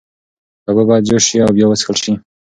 اوبه باید جوش شي او بیا وڅښل شي.